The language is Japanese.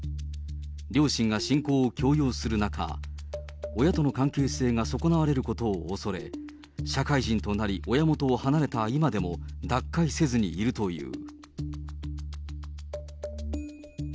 両親が信仰を強要する中、親との関係性が損なわれることを恐れ、社会人となり、親元を離れた今でも脱会せずにいるという。